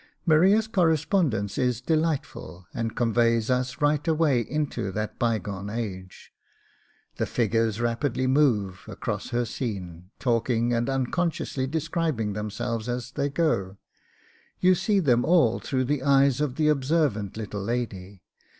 Maria's correspondence is delightful, and conveys us right away into that bygone age. The figures rapidly move across her scene, talking and unconsciously describing themselves as they go; you see them all through the eyes of the observant little lady.